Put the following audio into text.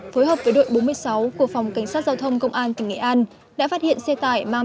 phối hợp với đội bốn mươi sáu của phòng cảnh sát giao thông công an tỉnh nghệ an đã phát hiện xe tải mang